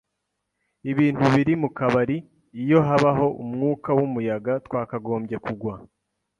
ibintu biri mu kabari. Iyo habaho umwuka wumuyaga, twakagombye kugwa